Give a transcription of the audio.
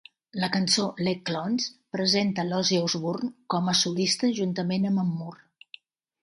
La cançó "Led Clones" presenta l'Ozzy Osbourne com a solista juntament amb en Moore.